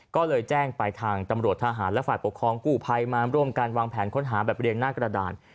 ก็เลยแจ้งไปทางตำรวจทหารและฝ่ายปกครองกู้ภัยมาร่วมกันวางแผนค้นหาแบบเรียงหน้ากระดาน